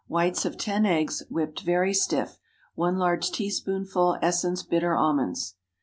Whites of ten eggs—whipped very stiff. 1 large teaspoonful essence bitter almonds.